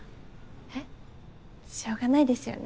えっ？・しょうがないですよね